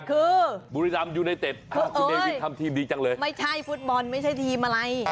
คือบุรีรัมยูไนเต็ดคุณเนวินทำทีมดีจังเลยไม่ใช่ฟุตบอลไม่ใช่ทีมอะไร